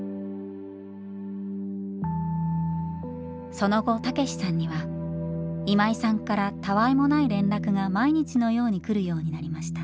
その後たけしさんには今井さんからたわいもない連絡が毎日のように来るようになりました。